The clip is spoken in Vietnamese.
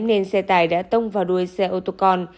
nên xe tải đã tông vào đuôi xe ô tô con